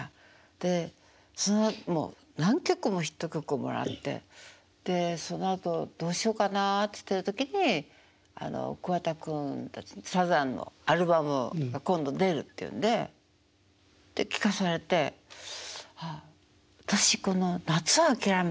でもう何曲もヒット曲をもらってでそのあとどうしようかなって言ってる時にあの桑田君たちサザンのアルバム今度出るっていうんでで聴かされて「ああ私この『夏をあきらめて』がいいな。